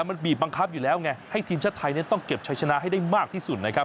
มันบีบบังคับอยู่แล้วไงให้ทีมชาติไทยต้องเก็บชัยชนะให้ได้มากที่สุดนะครับ